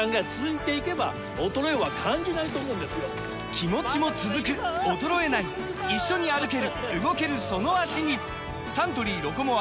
気持ちも続く衰えない一緒に歩ける動けるその脚にサントリー「ロコモア」！